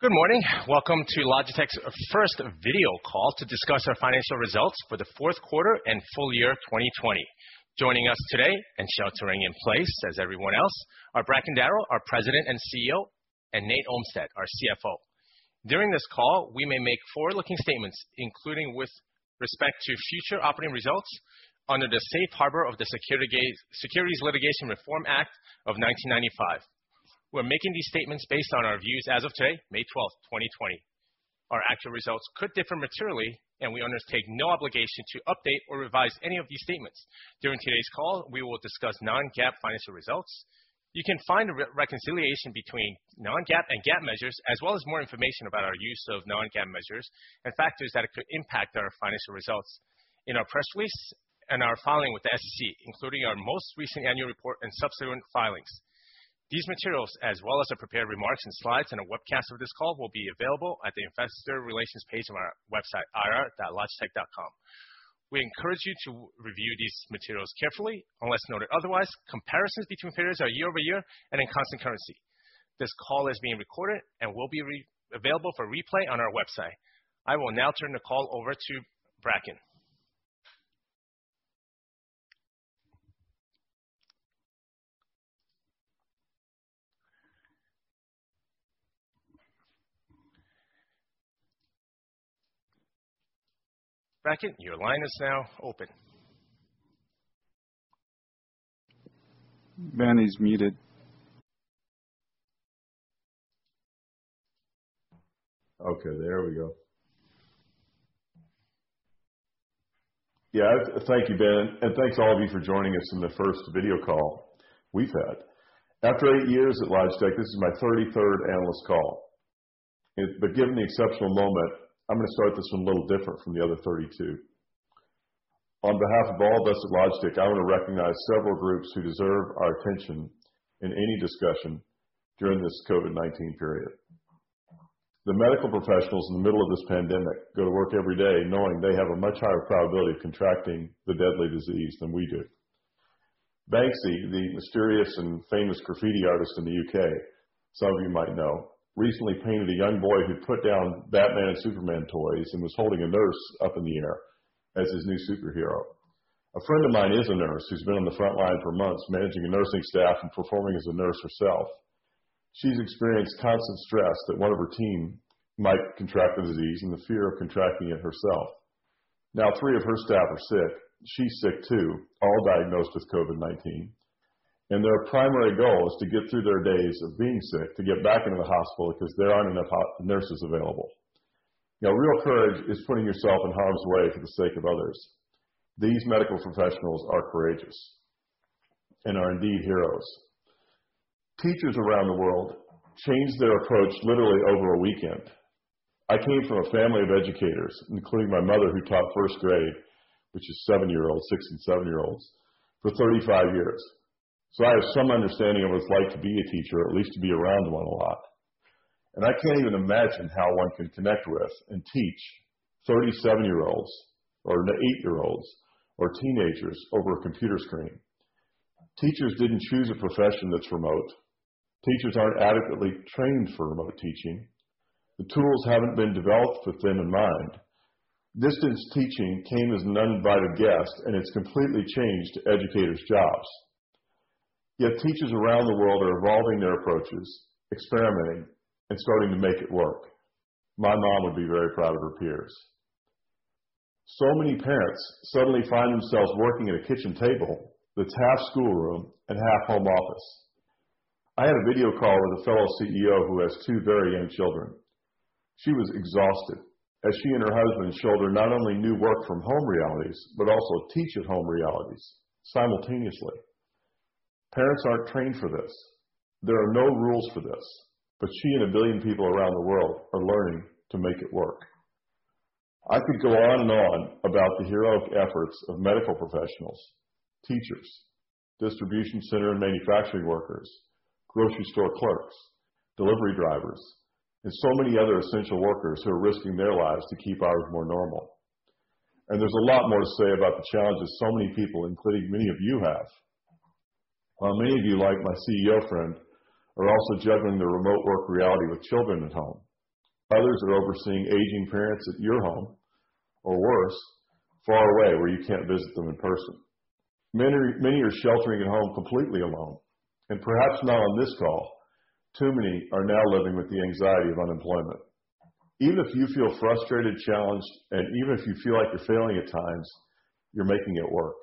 Good morning. Welcome to Logitech's first video call to discuss our financial results for the fourth quarter and full year 2020. Joining us today, and sheltering in place as everyone else, are Bracken Darrell, our President and CEO, and Nate Olmstead, our CFO. During this call, we may make forward-looking statements, including with respect to future operating results under the safe harbor of the Private Securities Litigation Reform Act of 1995. We're making these statements based on our views as of today, May 12th, 2020. Our actual results could differ materially, and we undertake no obligation to update or revise any of these statements. During today's call, we will discuss non-GAAP financial results. You can find a reconciliation between non-GAAP and GAAP measures, as well as more information about our use of non-GAAP measures and factors that could impact our financial results in our press release and our filing with the SEC, including our most recent annual report and subsequent filings. These materials, as well as the prepared remarks and slides and a webcast of this call, will be available at the investor relations page of our website, ir.logitech.com. We encourage you to review these materials carefully. Unless noted otherwise, comparisons between periods are year-over-year and in constant currency. This call is being recorded and will be available for replay on our website. I will now turn the call over to Bracken. Bracken, your line is now open. Thank you, Ben, and thanks to all of you for joining us in the first video call we've had. After eight years at Logitech, this is my 33rd analyst call. Given the exceptional moment, I'm going to start this one a little different from the other 32. On behalf of all of us at Logitech, I want to recognize several groups who deserve our attention in any discussion during this COVID-19 period. The medical professionals in the middle of this pandemic go to work every day knowing they have a much higher probability of contracting the deadly disease than we do. Banksy, the mysterious and famous graffiti artist in the U.K., some of you might know, recently painted a young boy who put down Batman and Superman toys and was holding a nurse up in the air as his new superhero. A friend of mine is a nurse who's been on the front line for months managing a nursing staff and performing as a nurse herself. She's experienced constant stress that one of her team might contract the disease and the fear of contracting it herself. Now three of her staff are sick. She's sick, too, all diagnosed with COVID-19, and their primary goal is to get through their days of being sick, to get back into the hospital, because there aren't enough nurses available. Real courage is putting yourself in harm's way for the sake of others. These medical professionals are courageous and are indeed heroes. Teachers around the world changed their approach literally over a weekend. I came from a family of educators, including my mother, who taught first grade, which is seven-year-olds, six and seven-year-olds, for 35 years. I have some understanding of what it's like to be a teacher, at least to be around one a lot. I can't even imagine how one can connect with and teach 30 seven-year-olds or eight-year-olds or teenagers over a computer screen. Teachers didn't choose a profession that's remote. Teachers aren't adequately trained for remote teaching. The tools haven't been developed with them in mind. Distance teaching came as an uninvited guest, and it's completely changed educators' jobs. Teachers around the world are evolving their approaches, experimenting, and starting to make it work. My mom would be very proud of her peers. Many parents suddenly find themselves working at a kitchen table that's half schoolroom and half home office. I had a video call with a fellow CEO who has two very young children. She was exhausted as she and her husband shoulder not only new work from home realities, but also teach at home realities simultaneously. Parents aren't trained for this. There are no rules for this. She and a billion people around the world are learning to make it work. I could go on and on about the heroic efforts of medical professionals, teachers, distribution center and manufacturing workers, grocery store clerks, delivery drivers, and so many other essential workers who are risking their lives to keep ours more normal. There's a lot more to say about the challenges so many people, including many of you, have. While many of you, like my CEO friend, are also juggling the remote work reality with children at home, others are overseeing aging parents at your home, or worse, far away, where you can't visit them in person. Many are sheltering at home completely alone, and perhaps not on this call, too many are now living with the anxiety of unemployment. Even if you feel frustrated, challenged, and even if you feel like you're failing at times, you're making it work.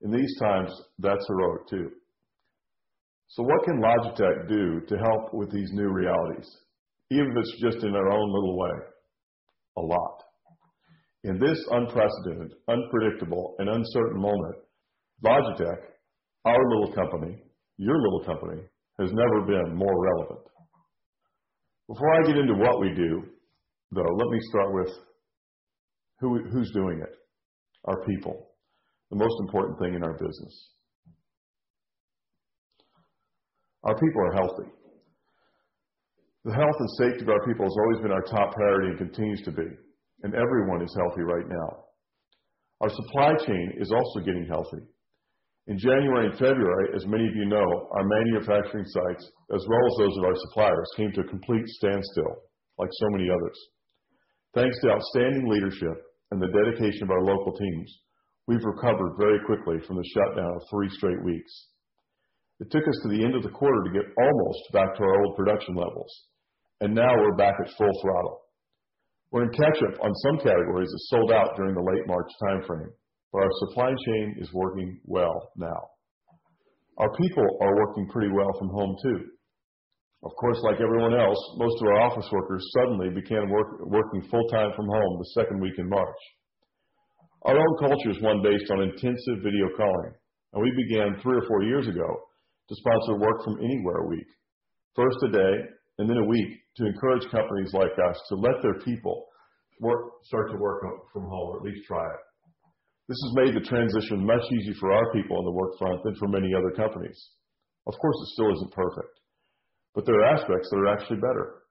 In these times, that's heroic, too. What can Logitech do to help with these new realities, even if it's just in our own little way? A lot. In this unprecedented, unpredictable, and uncertain moment, Logitech, our little company, your little company, has never been more relevant. Before I get into what we do, though, let me start with who's doing it, our people, the most important thing in our business. The health and safety of our people has always been our top priority and continues to be, and everyone is healthy right now. Our supply chain is also getting healthy. In January and February, as many of you know, our manufacturing sites, as well as those of our suppliers, came to a complete standstill, like so many others. Thanks to outstanding leadership and the dedication of our local teams, we've recovered very quickly from the shutdown of three straight weeks. It took us to the end of the quarter to get almost back to our old production levels, and now we're back at full throttle. We're in catch up on some categories that sold out during the late March timeframe, but our supply chain is working well now. Our people are working pretty well from home, too. Of course, like everyone else, most of our office workers suddenly began working full time from home the second week in March. Our own culture is one based on intensive video calling. We began three or four years ago to sponsor Work From Anywhere Week, first a day, and then a week, to encourage companies like us to let their people start to work from home or at least try it. This has made the transition much easier for our people on the work front than for many other companies. Of course, it still isn't perfect. There are aspects that are actually better.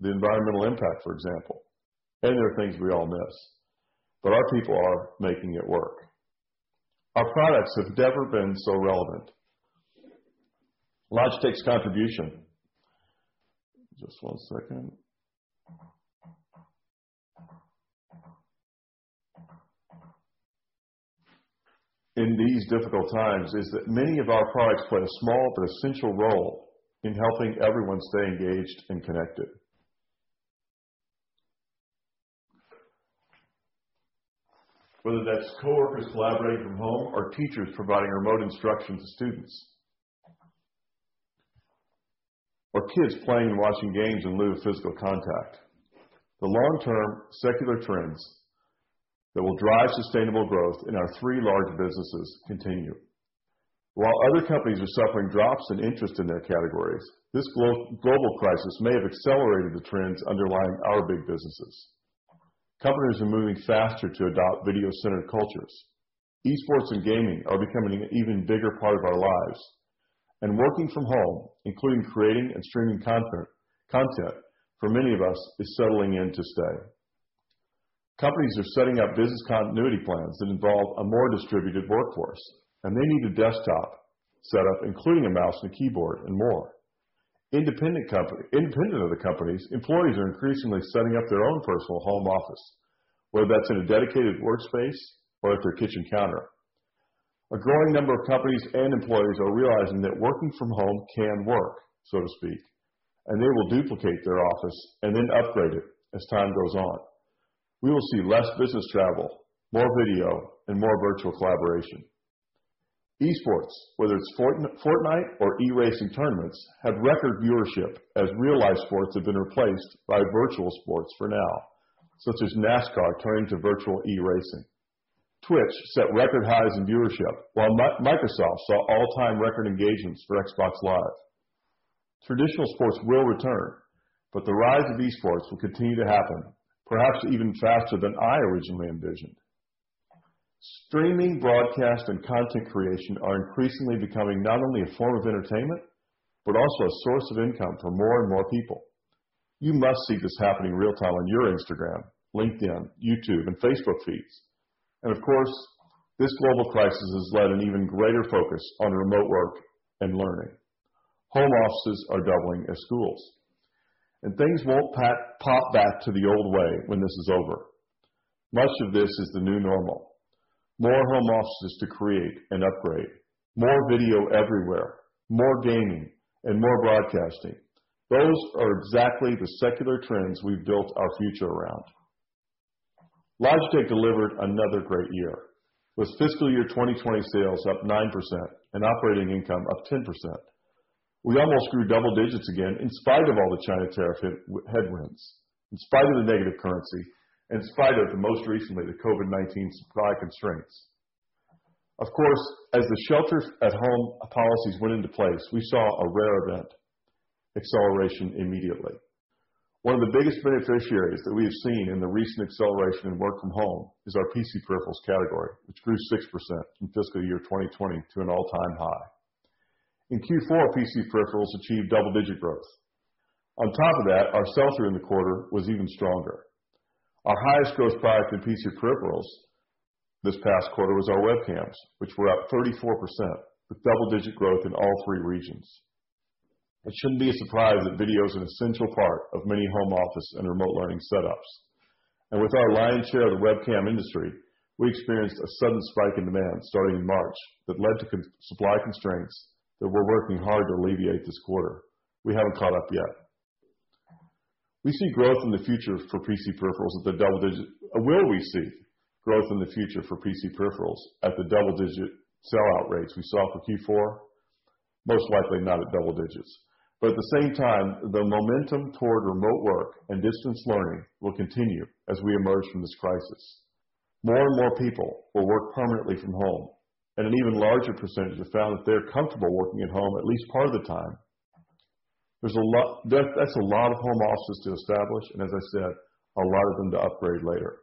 The environmental impact, for example. There are things we all miss. Our people are making it work. Our products have never been so relevant. Logitech's contribution, just one second, in these difficult times is that many of our products play a small but essential role in helping everyone stay engaged and connected. Whether that's coworkers collaborating from home or teachers providing remote instruction to students, or kids playing and watching games in lieu of physical contact. The long-term secular trends that will drive sustainable growth in our three large businesses continue. While other companies are suffering drops in interest in their categories, this global crisis may have accelerated the trends underlying our big businesses. Companies are moving faster to adopt video-centered cultures. Esports and gaming are becoming an even bigger part of our lives. Working from home, including creating and streaming content for many of us, is settling in to stay. Companies are setting up business continuity plans that involve a more distributed workforce, and they need a desktop set up, including a mouse and a keyboard and more. Independent of the companies, employees are increasingly setting up their own personal home office, whether that's in a dedicated workspace or at their kitchen counter. A growing number of companies and employees are realizing that working from home can work, so to speak, and they will duplicate their office and then upgrade it as time goes on. We will see less business travel, more video, and more virtual collaboration. Esports, whether it's Fortnite or e-racing tournaments, have record viewership as real-life sports have been replaced by virtual sports for now, such as NASCAR turning to virtual e-racing. Twitch set record highs in viewership, while Microsoft saw all-time record engagements for Xbox Live. Traditional sports will return, but the rise of esports will continue to happen, perhaps even faster than I originally envisioned. Streaming, broadcast, and content creation are increasingly becoming not only a form of entertainment, but also a source of income for more and more people. You must see this happening in real time on your Instagram, LinkedIn, YouTube, and Facebook feeds. Of course, this global crisis has led an even greater focus on remote work and learning. Home offices are doubling as schools. Things won't pop back to the old way when this is over. Much of this is the new normal. More home offices to create and upgrade, more video everywhere, more gaming, and more broadcasting. Those are exactly the secular trends we've built our future around. Logitech delivered another great year with fiscal year 2020 sales up 9% and operating income up 10%. We almost grew double digits again in spite of all the China tariff headwinds, in spite of the negative currency, and in spite of, most recently, the COVID-19 supply constraints. Of course, as the shelter at home policies went into place, we saw a rare event, acceleration immediately. One of the biggest beneficiaries that we have seen in the recent acceleration in work from home is our PC peripherals category, which grew 6% from fiscal year 2020 to an all-time high. In Q4, PC peripherals achieved double-digit growth. On top of that, our sell-through in the quarter was even stronger. Our highest gross profit in PC peripherals this past quarter was our webcams, which were up 34%, with double-digit growth in all three regions. It shouldn't be a surprise that video is an essential part of many home office and remote learning setups. With our lion's share of the webcam industry, we experienced a sudden spike in demand starting in March that led to supply constraints that we're working hard to alleviate this quarter. We haven't caught up yet. Will we see growth in the future for PC peripherals at the double-digit sell-out rates we saw for Q4? Most likely not at double digits. At the same time, the momentum toward remote work and distance learning will continue as we emerge from this crisis. More and more people will work permanently from home, and an even larger percentage have found that they're comfortable working at home at least part of the time. That's a lot of home offices to establish, and as I said, a lot of them to upgrade later.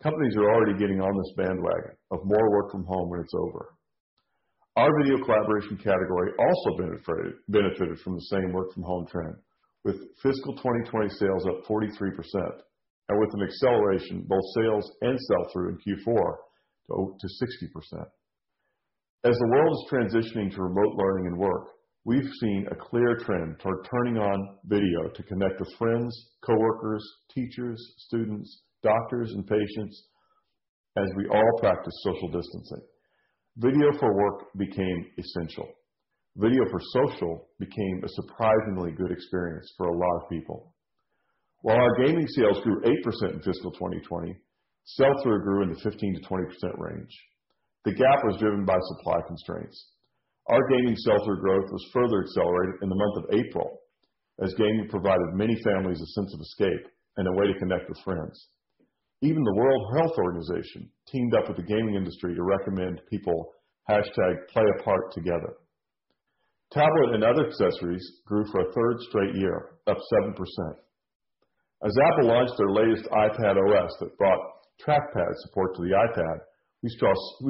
Companies are already getting on this bandwagon of more work from home when it's over. Our video collaboration category also benefited from the same work from home trend, with fiscal 2020 sales up 43%, and with an acceleration, both sales and sell-through in Q4 to 60%. As the world is transitioning to remote learning and work, we've seen a clear trend toward turning on video to connect with friends, coworkers, teachers, students, doctors, and patients, as we all practice social distancing. Video for work became essential. Video for social became a surprisingly good experience for a lot of people. While our gaming sales grew 8% in fiscal 2020, sell-through grew in the 15%-20% range. The gap was driven by supply constraints. Our gaming sell-through growth was further accelerated in the month of April, as gaming provided many families a sense of escape and a way to connect with friends. Even the World Health Organization teamed up with the gaming industry to recommend people hashtag play a part together. Tablet and other accessories grew for a third straight year, up 7%. As Apple launched their latest iPadOS that brought trackpad support to the iPad, we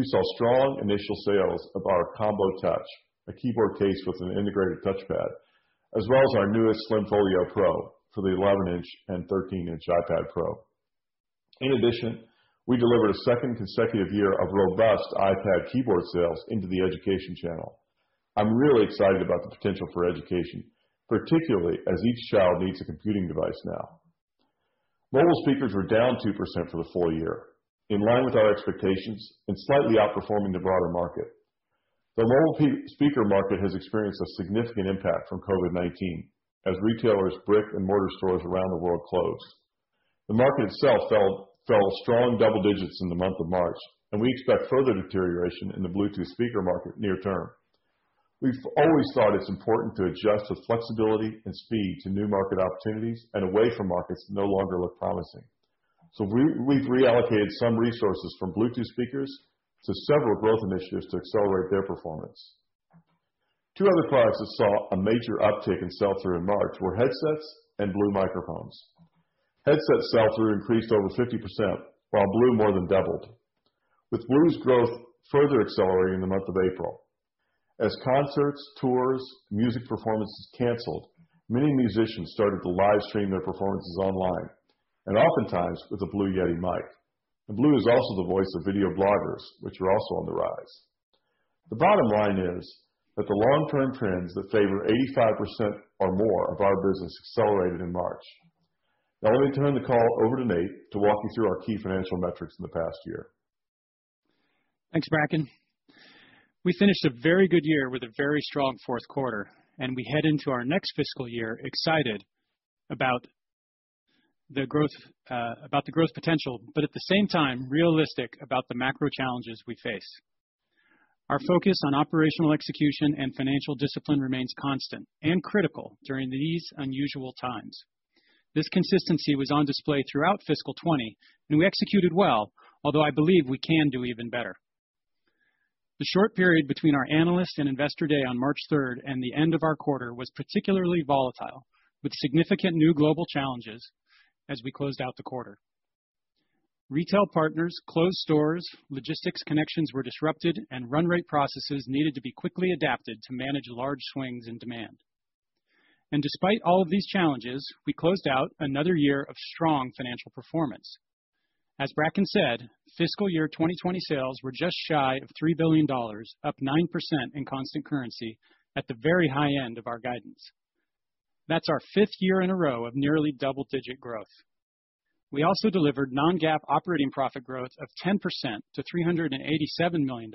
saw strong initial sales of our Combo Touch, a keyboard case with an integrated touchpad, as well as our newest Slim Folio Pro for the 11-inch and 13-inch iPad Pro. In addition, we delivered a second consecutive year of robust iPad keyboard sales into the education channel. I'm really excited about the potential for education, particularly as each child needs a computing device now. Mobile speakers were down 2% for the full year, in line with our expectations and slightly outperforming the broader market. The mobile speaker market has experienced a significant impact from COVID-19, as retailers' brick-and-mortar stores around the world closed. The market itself fell strong double digits in the month of March. We expect further deterioration in the Bluetooth speaker market near term. We've always thought it's important to adjust with flexibility and speed to new market opportunities and away from markets that no longer look promising. We've reallocated some resources from Bluetooth speakers to several growth initiatives to accelerate their performance. Two other products that saw a major uptick in sell-through in March were headsets and Blue Microphones. Headset sell-through increased over 50%, while Blue more than doubled, with Blue's growth further accelerating in the month of April. As concerts, tours, music performances canceled, many musicians started to live stream their performances online, and oftentimes with a Blue Yeti mic. Blue is also the voice of video bloggers, which are also on the rise. The bottom line is that the long-term trends that favor 85% or more of our business accelerated in March. Now let me turn the call over to Nate to walk you through our key financial metrics in the past year. Thanks, Bracken. We finished a very good year with a very strong fourth quarter, and we head into our next fiscal year excited about the growth potential, but at the same time, realistic about the macro challenges we face. Our focus on operational execution and financial discipline remains constant and critical during these unusual times. This consistency was on display throughout fiscal 2020, and we executed well, although I believe we can do even better. The short period between our analyst and investor day on March 3rd and the end of our quarter was particularly volatile, with significant new global challenges as we closed out the quarter. Retail partners closed stores, logistics connections were disrupted, and run rate processes needed to be quickly adapted to manage large swings in demand. Despite all of these challenges, we closed out another year of strong financial performance. As Bracken said, fiscal year 2020 sales were just shy of $3 billion, up 9% in constant currency at the very high end of our guidance. That's our fifth year in a row of nearly double-digit growth. We also delivered non-GAAP operating profit growth of 10% to $387 million,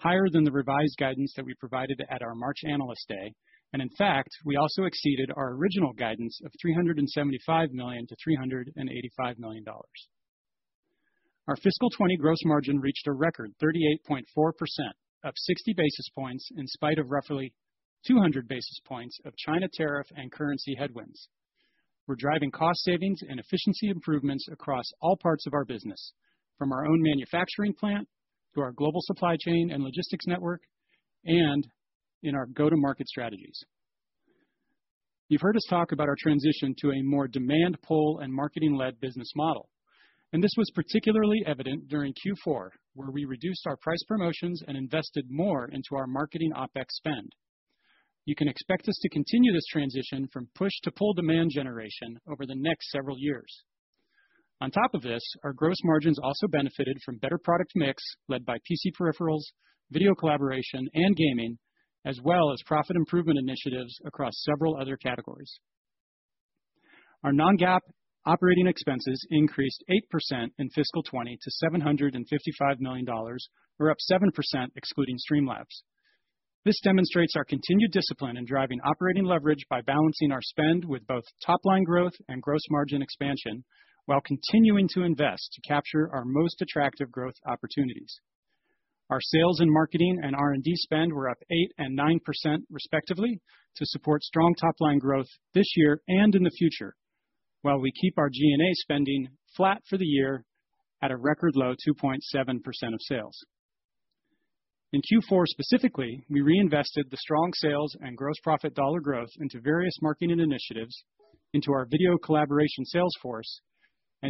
higher than the revised guidance that we provided at our March analyst day, and in fact, we also exceeded our original guidance of $375 million-$385 million. Our fiscal 2020 gross margin reached a record 38.4%, up 60 basis points in spite of roughly 200 basis points of China tariff and currency headwinds. We're driving cost savings and efficiency improvements across all parts of our business, from our own manufacturing plant to our global supply chain and logistics network, and in our go-to-market strategies. You've heard us talk about our transition to a more demand pull and marketing-led business model, and this was particularly evident during Q4, where we reduced our price promotions and invested more into our marketing OpEx spend. You can expect us to continue this transition from push to pull demand generation over the next several years. On top of this, our gross margins also benefited from better product mix led by PC peripherals, video collaboration, and gaming, as well as profit improvement initiatives across several other categories. Our non-GAAP operating expenses increased 8% in fiscal 2020 to $755 million, or up 7% excluding Streamlabs. This demonstrates our continued discipline in driving operating leverage by balancing our spend with both top-line growth and gross margin expansion while continuing to invest to capture our most attractive growth opportunities. Our sales and marketing and R&D spend were up 8% and 9% respectively to support strong top-line growth this year and in the future, while we keep our G&A spending flat for the year at a record low 2.7% of sales. In Q4 specifically, we reinvested the strong sales and gross profit dollar growth into various marketing initiatives, into our video collaboration sales force and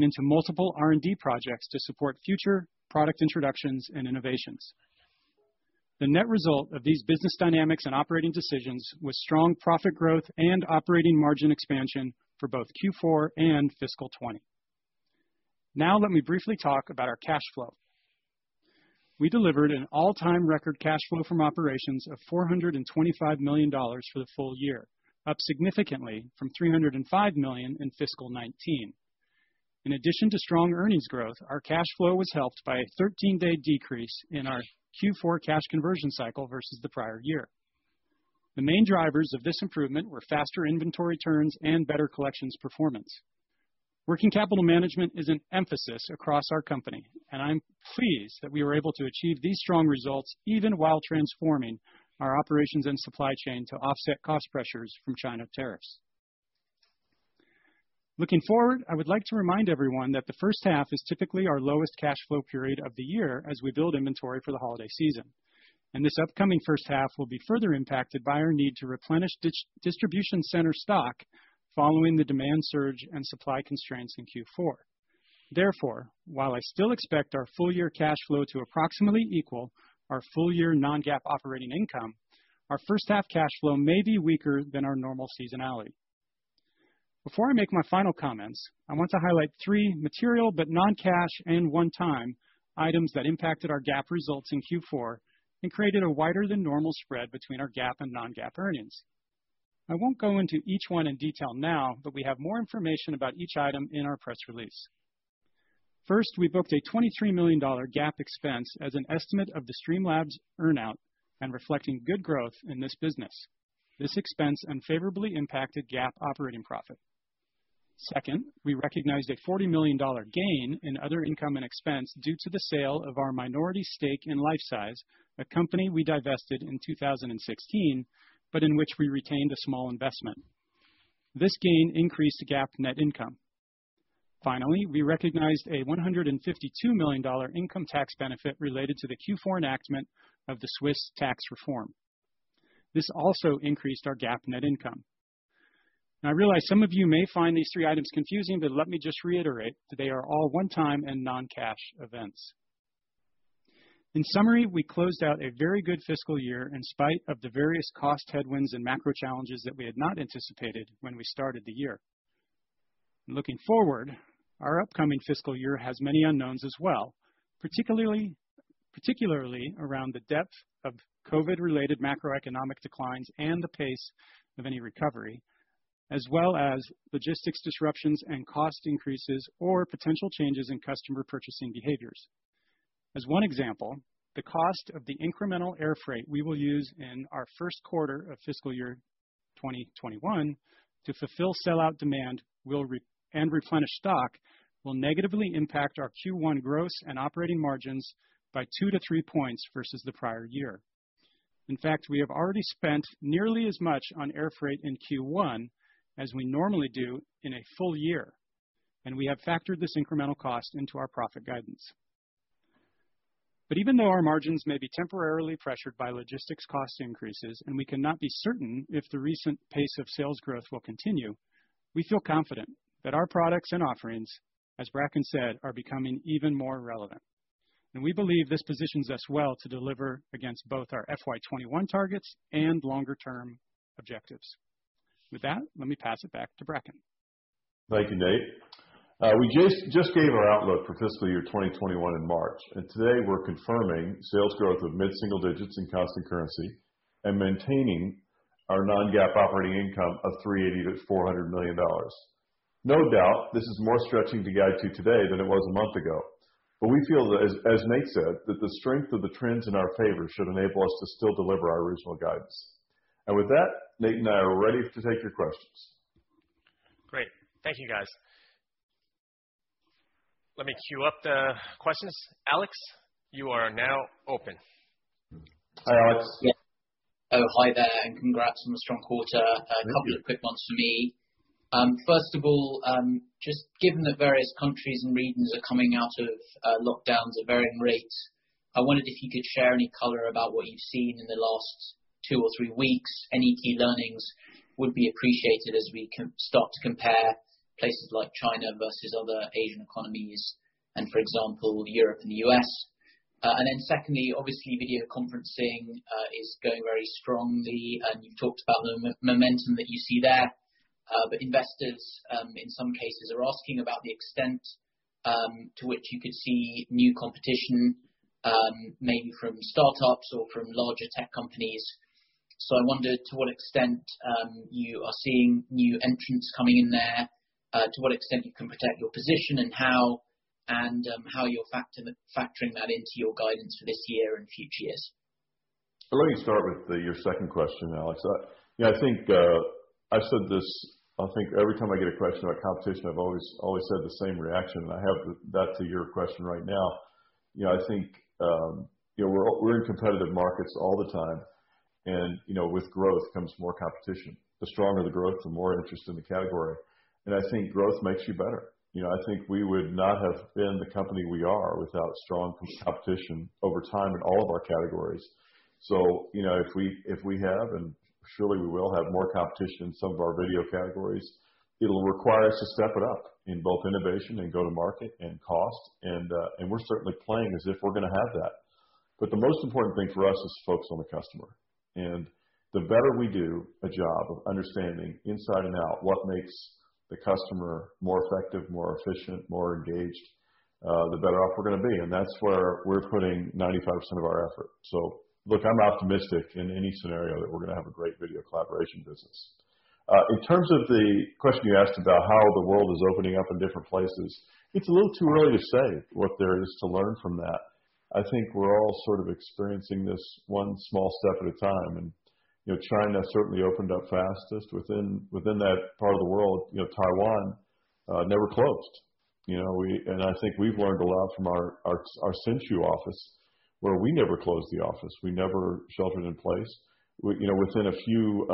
into multiple R&D projects to support future product introductions and innovations. The net result of these business dynamics and operating decisions was strong profit growth and operating margin expansion for both Q4 and fiscal 2020. Let me briefly talk about our cash flow. We delivered an all-time record cash flow from operations of $425 million for the full year, up significantly from $305 million in fiscal 2019. In addition to strong earnings growth, our cash flow was helped by a 13-day decrease in our Q4 cash conversion cycle versus the prior year. The main drivers of this improvement were faster inventory turns and better collections performance. Working capital management is an emphasis across our company, and I'm pleased that we were able to achieve these strong results even while transforming our operations and supply chain to offset cost pressures from China tariffs. Looking forward, I would like to remind everyone that the first half is typically our lowest cash flow period of the year as we build inventory for the holiday season, and this upcoming first half will be further impacted by our need to replenish distribution center stock following the demand surge and supply constraints in Q4. Therefore, while I still expect our full year cash flow to approximately equal our full year non-GAAP operating income, our first half cash flow may be weaker than our normal seasonality. Before I make my final comments, I want to highlight three material, but non-cash and one-time items that impacted our GAAP results in Q4 and created a wider than normal spread between our GAAP and non-GAAP earnings. I won't go into each one in detail now, but we have more information about each item in our press release. First, we booked a $23 million GAAP expense as an estimate of the Streamlabs earnout and reflecting good growth in this business. This expense unfavorably impacted GAAP operating profit. Second, we recognized a $40 million gain in other income and expense due to the sale of our minority stake in Lifesize, a company we divested in 2016, but in which we retained a small investment. This gain increased GAAP net income. We recognized a $152 million income tax benefit related to the Q4 enactment of the Swiss Tax Reform. This also increased our GAAP net income. I realize some of you may find these three items confusing, but let me just reiterate that they are all one-time and non-cash events. In summary, we closed out a very good fiscal year in spite of the various cost headwinds and macro challenges that we had not anticipated when we started the year. Looking forward, our upcoming fiscal year has many unknowns as well, particularly around the depth of COVID-related macroeconomic declines and the pace of any recovery, as well as logistics disruptions and cost increases or potential changes in customer purchasing behaviors. As one example, the cost of the incremental air freight we will use in our first quarter of fiscal year 2021 to fulfill sellout demand and replenish stock will negatively impact our Q1 gross and operating margins by two to three points versus the prior year. In fact, we have already spent nearly as much on air freight in Q1 as we normally do in a full year, and we have factored this incremental cost into our profit guidance. Even though our margins may be temporarily pressured by logistics cost increases and we cannot be certain if the recent pace of sales growth will continue, we feel confident that our products and offerings, as Bracken said, are becoming even more relevant, and we believe this positions us well to deliver against both our FY 2021 targets and longer-term objectives. With that, let me pass it back to Bracken. Thank you, Nate. We just gave our outlook for fiscal year 2021 in March, and today we're confirming sales growth of mid-single digits in constant currency and maintaining our non-GAAP operating income of $380 million-$400 million. No doubt, this is more stretching to guide to today than it was a month ago. We feel that, as Nate said, that the strength of the trends in our favor should enable us to still deliver our original guidance. With that, Nate and I are ready to take your questions. Great. Thank you, guys. Let me queue up the questions. Alex, you are now open. Hi, Alex. Oh, hi there. Congrats on the strong quarter. A couple of quick ones from me. First of all, just given the various countries and regions are coming out of lockdowns at varying rates, I wondered if you could share any color about what you've seen in the last two or three weeks. Any key learnings would be appreciated as we can start to compare places like China versus other Asian economies and, for example, Europe and the U.S. Secondly, obviously, video conferencing is going very strongly, and you've talked about the momentum that you see there. Investors, in some cases, are asking about the extent to which you could see new competition, maybe from startups or from larger tech companies. I wonder to what extent you are seeing new entrants coming in there, to what extent you can protect your position and how you're factoring that into your guidance for this year and future years. Let me start with your second question, Alex. I think I've said this, I think every time I get a question about competition, I've always had the same reaction, and I have that to your question right now. I think we're in competitive markets all the time, with growth comes more competition. The stronger the growth, the more interest in the category. I think growth makes you better. I think we would not have been the company we are without strong competition over time in all of our categories. If we have, and surely we will have more competition in some of our video categories, it'll require us to step it up in both innovation and go to market and cost. We're certainly playing as if we're going to have that. The most important thing for us is to focus on the customer. The better we do a job of understanding inside and out what makes the customer more effective, more efficient, more engaged, the better off we're going to be. That's where we're putting 95% of our effort. Look, I'm optimistic in any scenario that we're going to have a great video collaboration business. In terms of the question you asked about how the world is opening up in different places, it's a little too early to say what there is to learn from that. I think we're all sort of experiencing this one small step at a time, and China certainly opened up fastest within that part of the world. Taiwan never closed. I think we've learned a lot from our Hsinchu office, where we never closed the office. We never sheltered in place. Within a few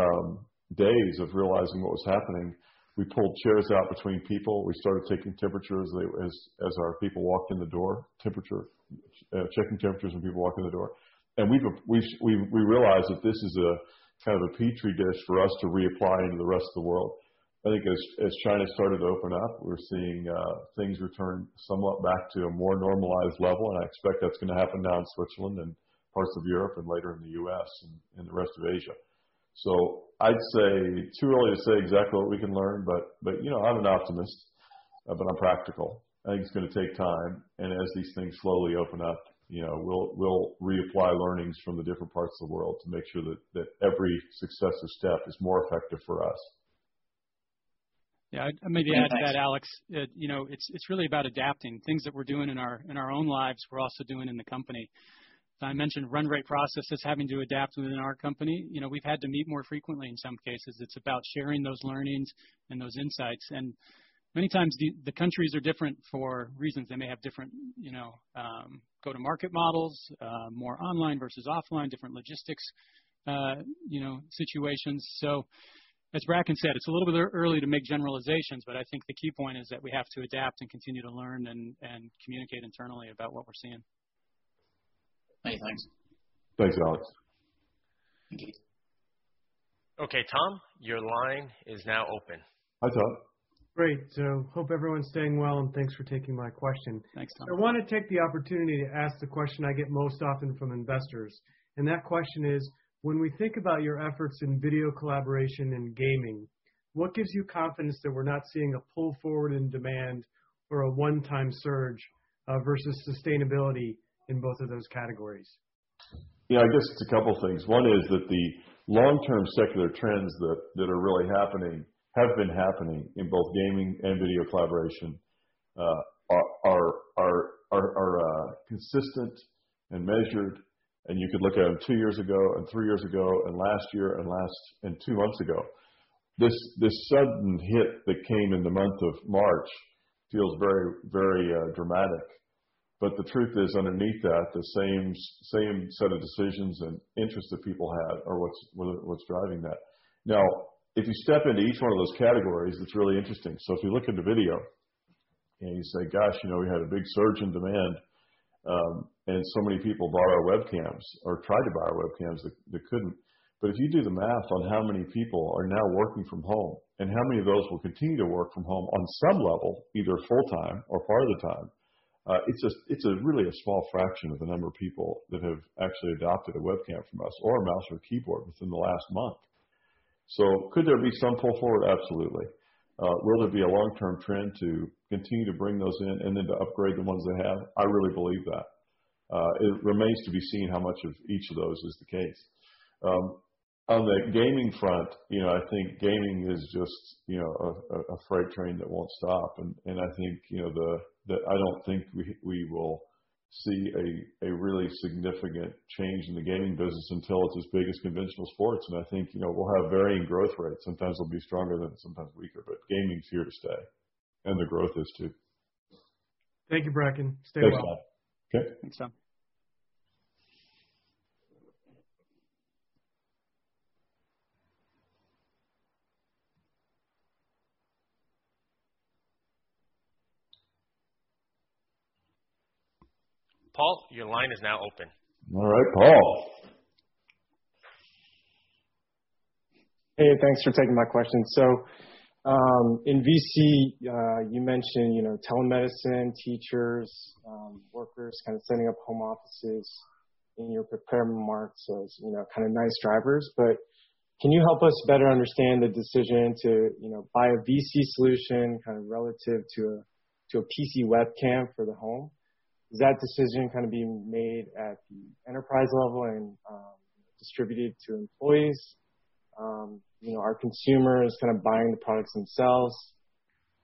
days of realizing what was happening, we pulled chairs out between people. We started checking temperatures when people walked in the door. We realized that this is a kind of a petri dish for us to reapply into the rest of the world. I think as China started to open up, we're seeing things return somewhat back to a more normalized level, and I expect that's going to happen now in Switzerland and parts of Europe and later in the U.S. and the rest of Asia. I'd say too early to say exactly what we can learn, but I'm an optimist, but I'm practical. I think it's going to take time, and as these things slowly open up, we'll reapply learnings from the different parts of the world to make sure that every successive step is more effective for us. Yeah. I maybe add to that, Alex. It's really about adapting. Things that we're doing in our own lives, we're also doing in the company. I mentioned run rate processes, having to adapt within our company. We've had to meet more frequently in some cases. It's about sharing those learnings and those insights. Many times the countries are different for reasons. They may have different go-to-market models, more online versus offline, different logistics situations. As Bracken said, it's a little bit early to make generalizations, but I think the key point is that we have to adapt and continue to learn and communicate internally about what we're seeing. Many thanks. Thanks, Alex. Thank you. Okay, Tom, your line is now open. Hi, Tom. Hope everyone's staying well, and thanks for taking my question. Thanks, Tom. I want to take the opportunity to ask the question I get most often from investors, and that question is: When we think about your efforts in video collaboration and gaming, what gives you confidence that we're not seeing a pull forward in demand or a one-time surge versus sustainability in both of those categories? Yeah, I guess it's a couple things. One is that the long-term secular trends that are really happening have been happening in both gaming and video collaboration are consistent and measured, and you could look at them two years ago and three years ago and last year and two months ago. This sudden hit that came in the month of March feels very dramatic. The truth is underneath that, the same set of decisions and interests that people had are what's driving that. If you step into each one of those categories, it's really interesting. If you look into video and you say, "Gosh, we had a big surge in demand, and so many people bought our webcams or tried to buy our webcams that couldn't." If you do the math on how many people are now working from home and how many of those will continue to work from home on some level, either full-time or part of the time, it's really a small fraction of the number of people that have actually adopted a webcam from us or a mouse or a keyboard within the last month. Could there be some pull forward? Absolutely. Will there be a long-term trend to continue to bring those in and then to upgrade the ones they have? I really believe that. It remains to be seen how much of each of those is the case. On the gaming front, I think gaming is just a freight train that won't stop, and I don't think we will see a really significant change in the gaming business until it's as big as conventional sports. I think we'll have varying growth rates. Sometimes it'll be stronger, then sometimes weaker, but gaming's here to stay, and the growth is too. Thank you, Bracken. Stay well. Thanks, Tom. Okay. Thanks, Tom. Paul, your line is now open. All right, Paul. Hey, thanks for taking my question. In VC, you mentioned telemedicine, teachers, workers kind of setting up home offices in your prepared remarks as kind of nice drivers. Can you help us better understand the decision to buy a VC solution kind of relative to a PC webcam for the home? Is that decision kind of being made at the enterprise level and distributed to employees? Are consumers kind of buying the products themselves?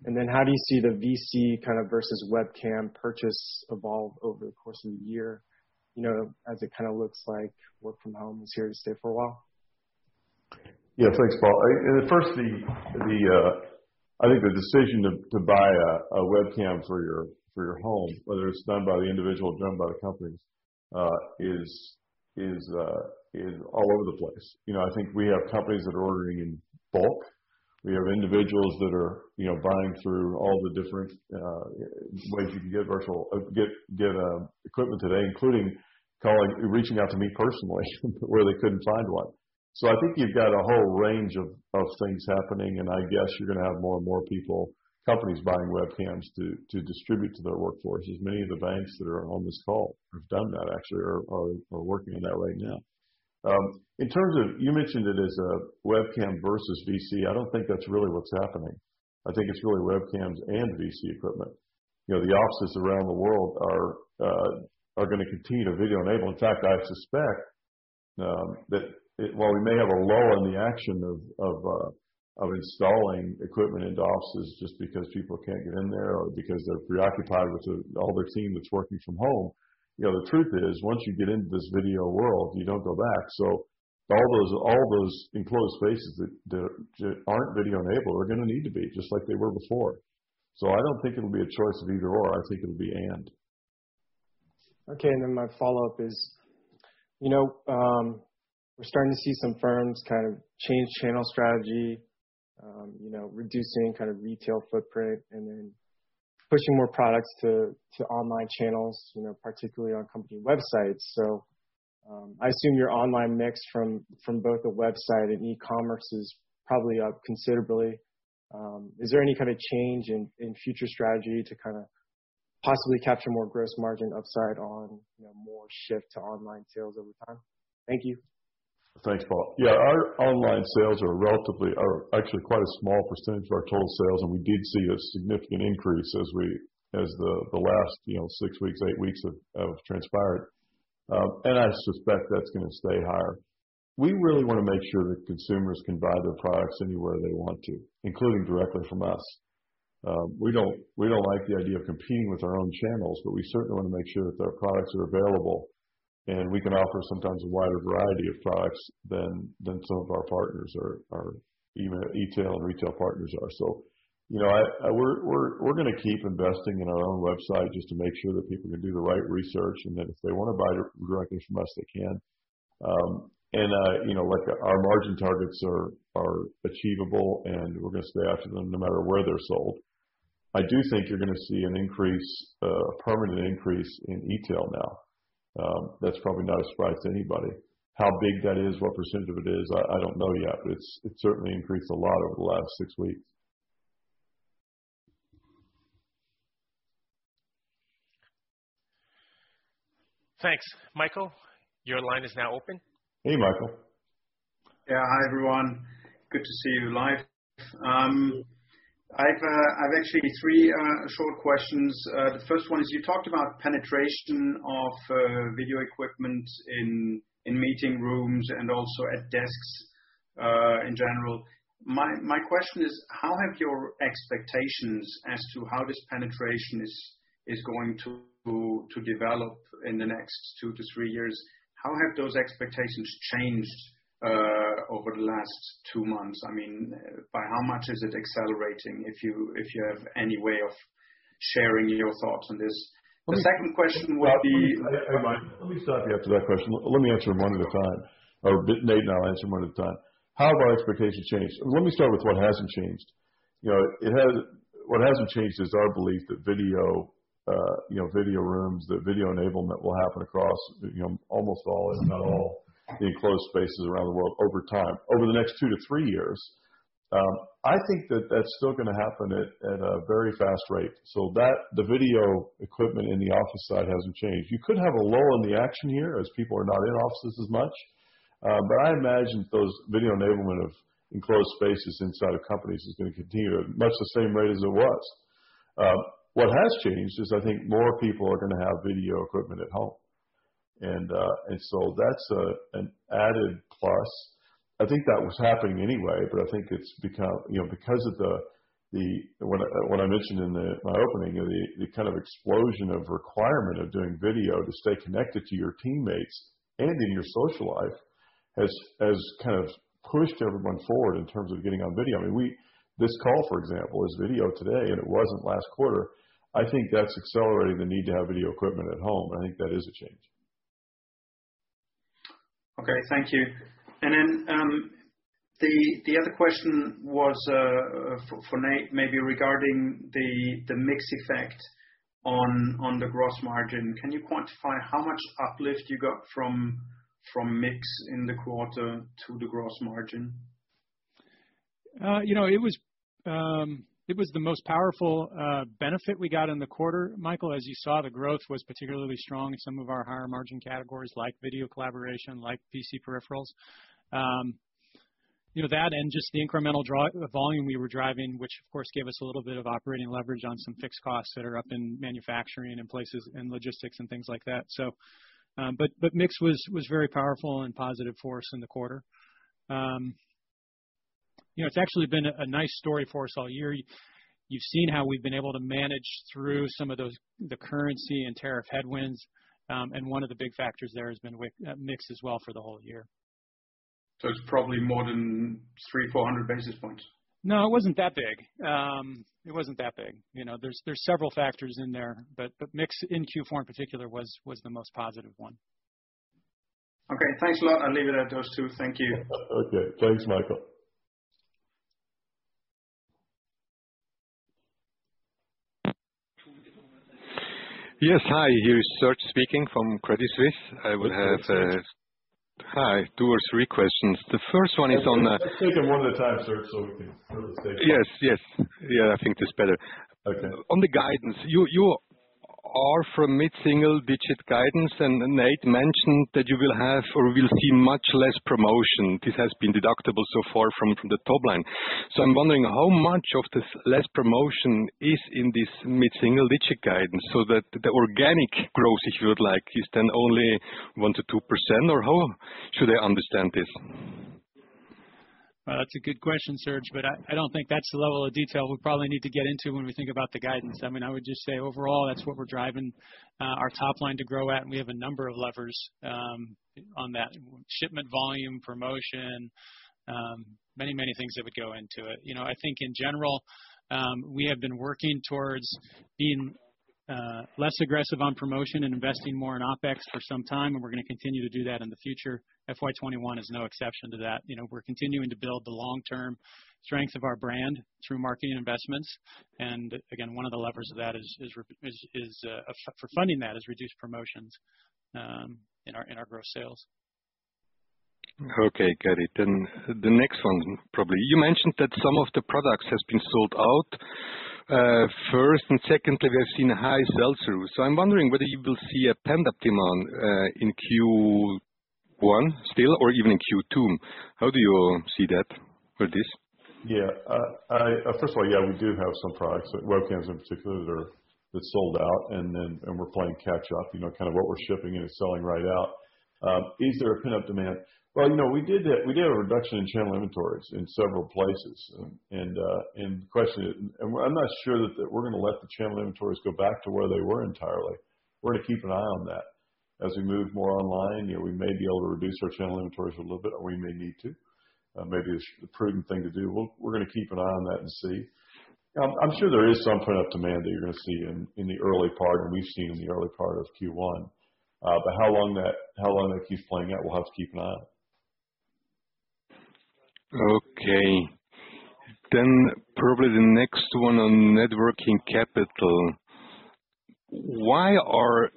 How do you see the VC kind of versus webcam purchase evolve over the course of the year as it kind of looks like work from home is here to stay for a while? Yeah. Thanks, Paul. First, I think the decision to buy a webcam for your home, whether it's done by the individual or done by the companies, is all over the place. I think we have companies that are ordering in bulk. We have individuals that are buying through all the different ways you can get equipment today, including reaching out to me personally where they couldn't find one. I think you've got a whole range of things happening, and I guess you're going to have more and more people, companies buying webcams to distribute to their workforce, as many of the banks that are on this call have done that actually, or are working on that right now. You mentioned it as a webcam versus VC. I don't think that's really what's happening. I think it's really webcams and VC equipment. The offices around the world are going to continue to video enable. In fact, I suspect that while we may have a lull in the action of installing equipment into offices just because people can't get in there or because they're preoccupied with all their team that's working from home, the truth is, once you get into this video world, you don't go back. All those enclosed spaces that aren't video enabled are going to need to be, just like they were before. I don't think it'll be a choice of either/or. I think it'll be and. My follow-up is, we're starting to see some firms kind of change channel strategy, reducing kind of retail footprint and then pushing more products to online channels, particularly on company websites. I assume your online mix from both the website and e-commerce is probably up considerably. Is there any kind of change in future strategy to kind of possibly capture more gross margin upside on more shift to online sales over time? Thank you. Thanks, Paul. Yeah, our online sales are actually quite a small percentage of our total sales. We did see a significant increase as the last six weeks, eight weeks have transpired. I suspect that's going to stay higher. We really want to make sure that consumers can buy their products anywhere they want to, including directly from us. We don't like the idea of competing with our own channels. We certainly want to make sure that their products are available, and we can offer sometimes a wider variety of products than some of our partners or even e-tail and retail partners are. We're going to keep investing in our own website just to make sure that people can do the right research, and then if they want to buy directly from us, they can. Our margin targets are achievable, and we're going to stay after them no matter where they're sold. I do think you're going to see a permanent increase in e-tail now. That's probably not a surprise to anybody. How big that is, what percentage of it is, I don't know yet, but it's certainly increased a lot over the last six weeks. Thanks. Michael, your line is now open. Hey, Michael. Yeah. Hi, everyone. Good to see you live. I have actually three short questions. The first one is, you talked about penetration of video equipment in meeting rooms and also at desks, in general. My question is, how have your expectations as to how this penetration is going to develop in the next two to three years, how have those expectations changed over the last two months? By how much is it accelerating, if you have any way of sharing your thoughts on this? The second question would be- Hey, Michael. Let me stop you after that question. Let me answer them one at a time, or Nate and I'll answer them one at a time. How have our expectations changed? Let me start with what hasn't changed. What hasn't changed is our belief that video rooms, that video enablement will happen across almost all, if not all, the enclosed spaces around the world over time. Over the next two to three years, I think that that's still going to happen at a very fast rate. The video equipment in the office side hasn't changed. You could have a lull in the action here as people are not in offices as much. I imagine those video enablement of enclosed spaces inside of companies is going to continue at much the same rate as it was. What has changed is I think more people are going to have video equipment at home. That's an added plus. I think that was happening anyway, but I think because of what I mentioned in my opening, the kind of explosion of requirement of doing video to stay connected to your teammates and in your social life, has kind of pushed everyone forward in terms of getting on video. This call, for example, is video today, and it wasn't last quarter. I think that's accelerating the need to have video equipment at home. I think that is a change. Okay. Thank you. The other question was, for Nate, maybe regarding the mix effect on the gross margin. Can you quantify how much uplift you got from mix in the quarter to the gross margin? It was the most powerful benefit we got in the quarter, Michael. As you saw, the growth was particularly strong in some of our higher margin categories like video collaboration, like PC peripherals. That and just the incremental volume we were driving, which of course, gave us a little bit of operating leverage on some fixed costs that are up in manufacturing and places in logistics and things like that. Mix was very powerful and positive for us in the quarter. It's actually been a nice story for us all year. You've seen how we've been able to manage through some of the currency and tariff headwinds. One of the big factors there has been mix as well for the whole year. It's probably more than 300 basis points, 400 basis points. No, it wasn't that big. There's several factors in there. Mix in Q4, in particular, was the most positive one. Okay, thanks a lot. I'll leave it at those two. Thank you. Okay. Thanks, Michael. Yes, hi. Here is Joern speaking from Credit Suisse. Hi, Joern Hi, two or three questions. The first one is on the. Let's take them one at a time, Joern, so we can hear the statements. Yes. Yeah, I think that's better. Okay. On the guidance, you are from mid-single digit guidance. Nate mentioned that we'll see much less promotion. This has been deductible so far from the top line. I'm wondering how much of this less promotion is in this mid-single digit guidance so that the organic growth, if you like, is then only 1%-2% or how should I understand this? That's a good question, Joern. I don't think that's the level of detail we'll probably need to get into when we think about the guidance. I would just say overall, that's what we're driving our top line to grow at, and we have a number of levers on that. Shipment volume, promotion, many things that would go into it. I think in general, we have been working towards being less aggressive on promotion and investing more in OpEx for some time, and we're going to continue to do that in the future. FY 2021 is no exception to that. We're continuing to build the long-term strength of our brand through marketing investments. Again, one of the levers for funding that is reduced promotions in our gross sales. Okay, got it. The next one, probably. You mentioned that some of the products has been sold out. First and second, we have seen high sell-through. I'm wondering whether you will see a pent-up demand in Q1 still or even in Q2. How do you all see that for this? First of all, yeah, we do have some products, webcams in particular, that sold out and we're playing catch up. Kind of what we're shipping and it's selling right out. Is there a pent-up demand? Well, we did a reduction in channel inventories in several places. The question is, I'm not sure that we're going to let the channel inventories go back to where they were entirely. We're going to keep an eye on that. As we move more online, we may be able to reduce our channel inventories a little bit, or we may need to. Maybe it's the prudent thing to do. We're going to keep an eye on that and see. I'm sure there is some pent-up demand that you're going to see in the early part, and we've seen in the early part of Q1. How long that keeps playing out, we'll have to keep an eye on. Okay. Probably the next one on net working capital. Why are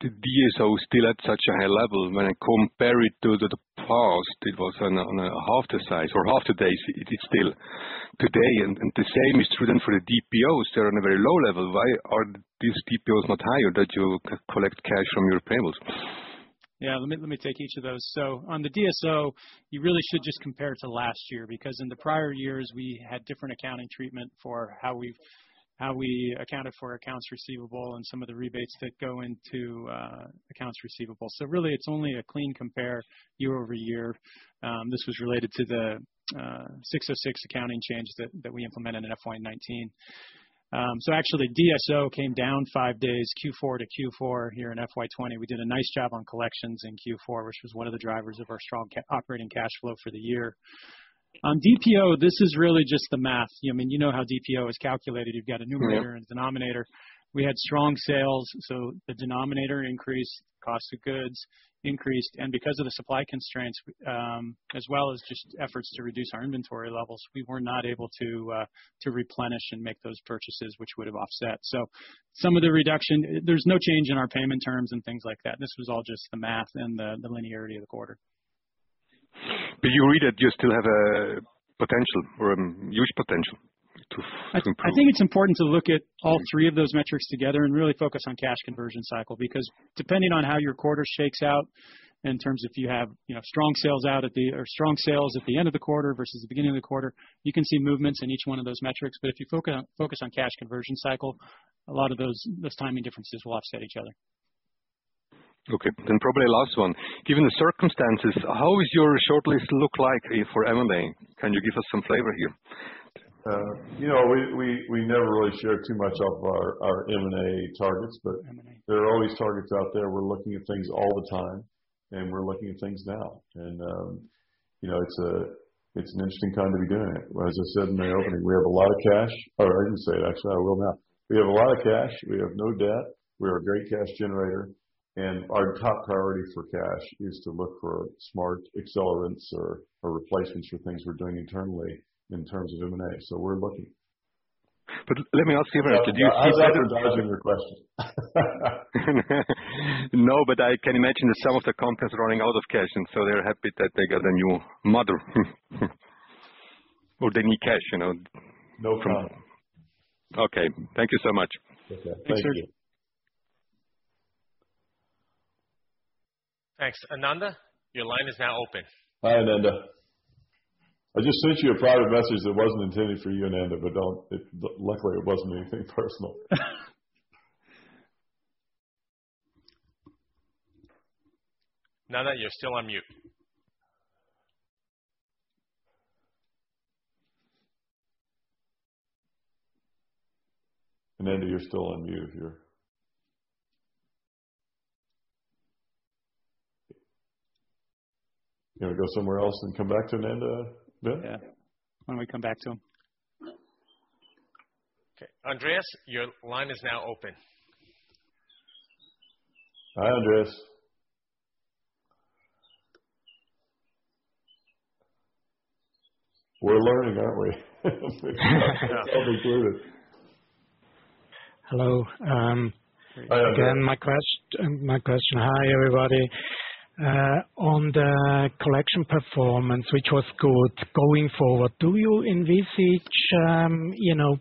the DSO still at such a high level when I compare it to the past? It was on a half the size or half the days it is still today. The same is true then for the DPOs. They're on a very low level. Why are these DPOs not higher that you collect cash from your payables? Yeah, let me take each of those. On the DSO, you really should just compare to last year, because in the prior years, we had different accounting treatment for how we accounted for accounts receivable and some of the rebates that go into accounts receivable. This was related to the 606 accounting change that we implemented in FY 2019. Actually, DSO came down five days Q4-to-Q4 here in FY 2020. We did a nice job on collections in Q4, which was one of the drivers of our strong operating cash flow for the year. On DPO, this is really just the math. You know how DPO is calculated. You've got a numerator and denominator. We had strong sales, so the denominator increased, cost of goods increased, and because of the supply constraints, as well as just efforts to reduce our inventory levels, we were not able to replenish and make those purchases, which would have offset. Some of the reduction, there's no change in our payment terms and things like that. This was all just the math and the linearity of the quarter. You read that you still have a potential or a huge potential to improve. I think it's important to look at all three of those metrics together and really focus on cash conversion cycle, because depending on how your quarter shakes out in terms if you have strong sales at the end of the quarter versus the beginning of the quarter, you can see movements in each one of those metrics. If you focus on cash conversion cycle, a lot of those timing differences will offset each other. Okay. Probably last one. Given the circumstances, how is your shortlist look like for M&A? Can you give us some flavor here? We never really share too much of our M&A targets, but there are always targets out there. We're looking at things all the time and we're looking at things now. It's an interesting time to be doing it. As I said in my opening, we have a lot of cash. I didn't say it, actually, I will now. We have a lot of cash. We have no debt. We are a great cash generator, and our top priority for cash is to look for smart accelerants or replacements for things we're doing internally in terms of M&A. We're looking. But let me ask you- I was advertising your question. I can imagine that some of the companies are running out of cash, and so they're happy that they got a new model. They need cash. No problem. Okay. Thank you so much. Okay. Thank you. Thanks, Joern. Thanks. Ananda, your line is now open. Hi, Ananda. I just sent you a private message that wasn't intended for you, Ananda, but luckily it wasn't anything personal. Ananda, you're still on mute. Ananda, you're still on mute here. You want to go somewhere else and come back to Ananda then? Yeah. Why don't we come back to him? Okay. Andreas, your line is now open. Hi, Andreas. We're learning, aren't we? Self-included. Hello. Hi, Andreas. Again, my question. Hi, everybody. On the collection performance, which was good, going forward, do you envisage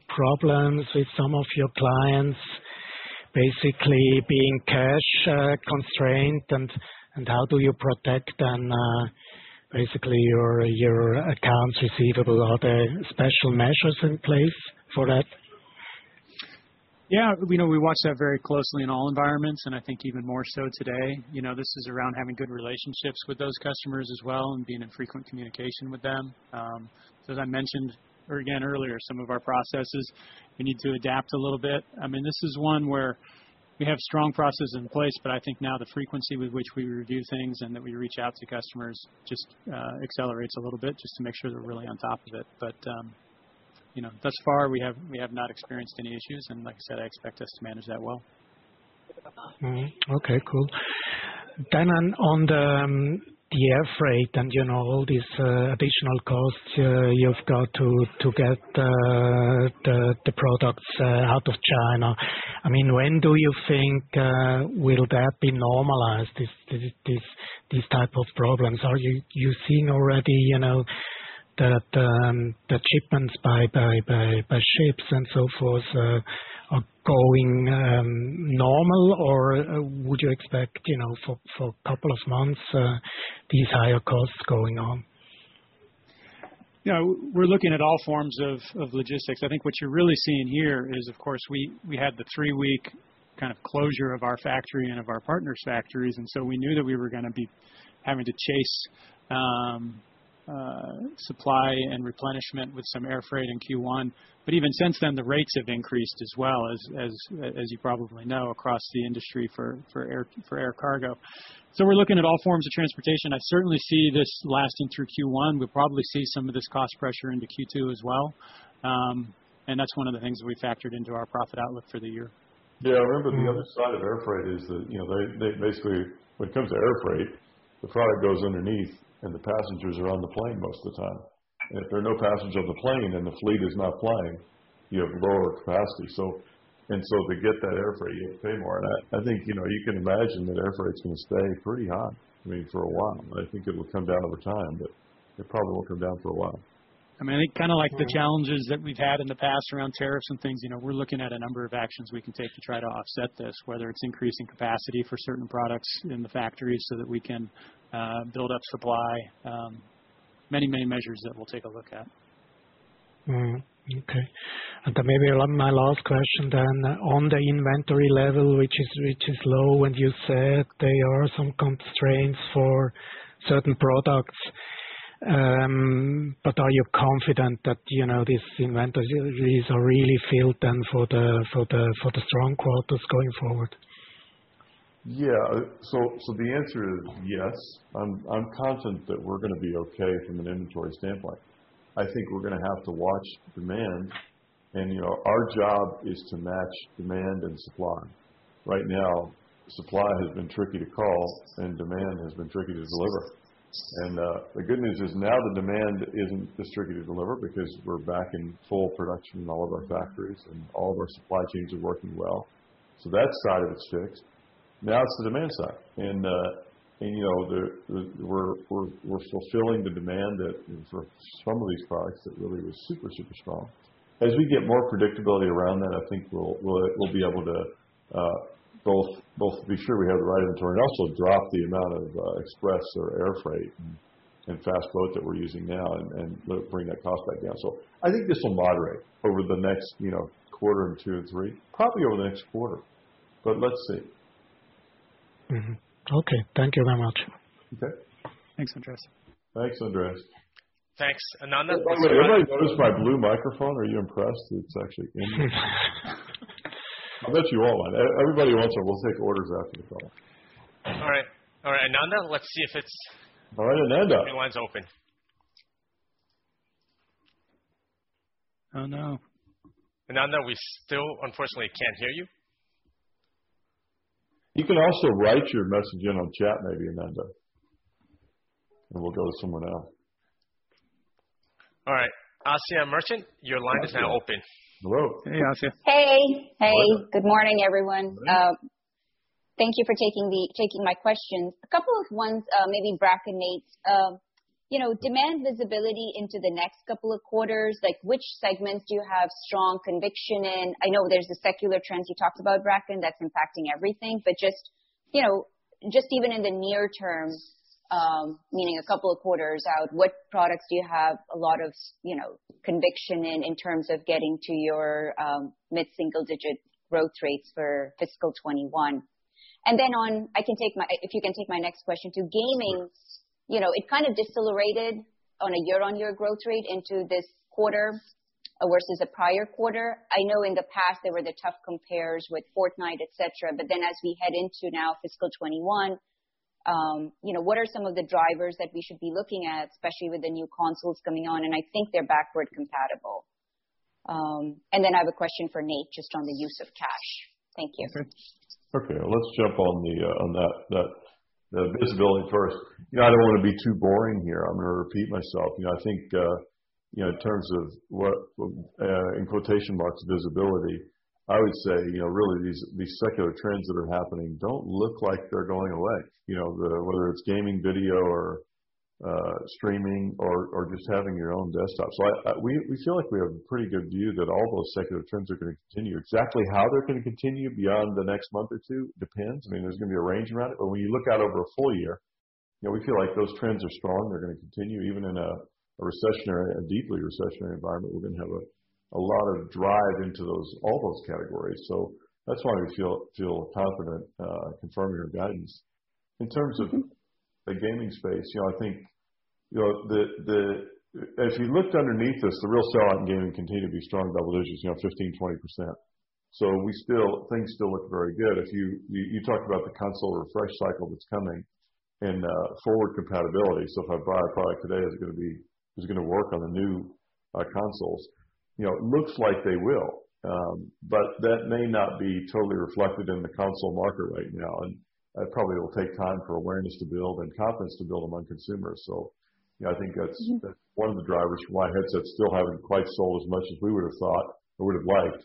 problems with some of your clients basically being cash-constrained, and how do you protect then basically your accounts receivable? Are there special measures in place for that? Yeah. We watch that very closely in all environments, and I think even more so today. This is around having good relationships with those customers as well and being in frequent communication with them. As I mentioned again earlier, some of our processes, we need to adapt a little bit. This is one where we have strong processes in place, but I think now the frequency with which we review things and that we reach out to customers just accelerates a little bit just to make sure that we're really on top of it. Thus far, we have not experienced any issues, and like I said, I expect us to manage that well. Okay, cool. On the air freight and all these additional costs you've got to get the products out of China. When do you think will that be normalized, these type of problems? Are you seeing already that the shipments by ships and so forth are going normal, or would you expect for a couple of months these higher costs going on? We're looking at all forms of logistics. I think what you're really seeing here is, of course, we had the three-week kind of closure of our factory and of our partners' factories. We knew that we were going to be having to chase supply and replenishment with some air freight in Q1. Even since then, the rates have increased as well, as you probably know, across the industry for air cargo. We're looking at all forms of transportation. I certainly see this lasting through Q1. We'll probably see some of this cost pressure into Q2 as well. That's one of the things that we factored into our profit outlook for the year. Yeah. Remember, the other side of air freight is that basically when it comes to air freight, the product goes underneath and the passengers are on the plane most of the time. If there are no passengers on the plane and the fleet is not flying, you have lower capacity. To get that air freight, you have to pay more. I think you can imagine that air freight's going to stay pretty high for a while. I think it will come down over time, but it probably won't come down for a while. I think like the challenges that we've had in the past around tariffs and things, we're looking at a number of actions we can take to try to offset this, whether it's increasing capacity for certain products in the factories so that we can build up supply. Many measures that we'll take a look at. Okay. Maybe my last question then. On the inventory level, which is low, and you said there are some constraints for certain products, but are you confident that these inventories are really filled then for the strong quarters going forward? Yeah. The answer is yes. I'm confident that we're going to be okay from an inventory standpoint. I think we're going to have to watch demand, and our job is to match demand and supply. Right now, supply has been tricky to call and demand has been tricky to deliver. The good news is now the demand isn't tricky to deliver because we're back in full production in all of our factories and all of our supply chains are working well. That side of it's fixed. Now it's the demand side. We're still filling the demand for some of these products that really was super strong. As we get more predictability around that, I think we'll be able to both be sure we have the right inventory and also drop the amount of express or air freight and fast boat that we're using now and bring that cost back down. I think this will moderate over the next quarter or two or three, probably over the next quarter. Let's see. Mm-hmm. Okay. Thank you very much. Okay. Thanks, Andreas. Thanks, Andreas. Thanks, Ananda. By the way, anybody notice my Blue Microphone? Are you impressed? It's actually, I'll bet you all are. Everybody wants one. We'll take orders after the call. All right. Ananda, let's see if. All right, Ananda. Your line's open. Oh, no. Ananda, we still unfortunately can't hear you. You can also write your message in on chat maybe, Ananda, and we'll go to someone else. All right. Asiya Merchant, your line is now open. Hello. Hey, Asiya. Hey. Hey. Hello. Good morning, everyone. Thank you for taking my questions. A couple of ones, maybe Bracken, Nate. Demand visibility into the next couple of quarters, like which segments do you have strong conviction in? I know there's the secular trends you talked about, Bracken, that's impacting everything, but just even in the near term, meaning a couple of quarters out, what products do you have a lot of conviction in terms of getting to your mid-single-digit growth rates for fiscal 2021? If you can take my next question too. Gaming, it kind of decelerated on a year-over-year growth rate into this quarter versus the prior quarter. I know in the past there were the tough compares with Fortnite, et cetera. As we head into now fiscal 2021, what are some of the drivers that we should be looking at, especially with the new consoles coming on, and I think they're backward compatible. I have a question for Nate, just on the use of cash. Thank you. Okay. Let's jump on that visibility first. I don't want to be too boring here. I'm going to repeat myself. I think, in terms of what, in quotation marks, "visibility," I would say, really these secular trends that are happening don't look like they're going away. Whether it's gaming video or streaming or just having your own desktop. We feel like we have a pretty good view that all those secular trends are going to continue. Exactly how they're going to continue beyond the next month or two depends. I mean, there's going to be a range around it. When you look out over a full year, we feel like those trends are strong. They're going to continue even in a deeply recessionary environment. We're going to have a lot of drive into all those categories. That's why we feel confident confirming our guidance. In terms of the gaming space, I think if you looked underneath this, the real sell-out in gaming continued to be strong double digits, 15%-20%. Things still look very good. You talked about the console refresh cycle that's coming and forward compatibility. If I buy a product today, is it going to work on the new consoles? It looks like they will. That may not be totally reflected in the console market right now, and probably it'll take time for awareness to build and confidence to build among consumers. I think that's one of the drivers for why headsets still haven't quite sold as much as we would've thought or would've liked.